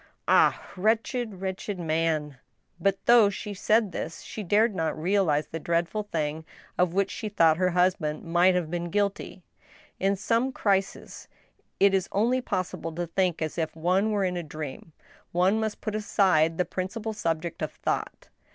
Ah! wretched, wretched man !" But, though she said this, she dared not realize the dreadful thing of which she thought her husband might have been guilty. In some crises it is only possible to think as if one were in a dream, one must put aside the principal subject of thought.